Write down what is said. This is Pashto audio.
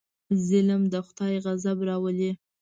ظلم د خدای غضب راولي.